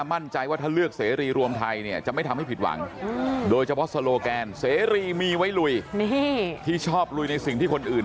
มั่นใจว่าถ้าเลือกเสนีรีรวมไทยเนี่ยจะไม่ทำให้ผิดหวัง